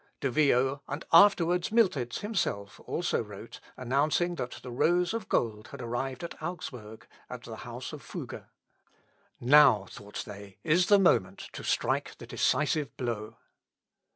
De Vio, and afterwards Miltitz himself, also wrote, announcing that the rose of gold had arrived at Augsburg, at the house of Fugger. Now, thought they, is the moment to strike the decisive blow.